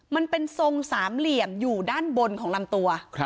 มันเป็นทรงสามเหลี่ยมอยู่ด้านบนของลำตัว